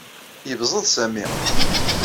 Yebẓeḍ Sami.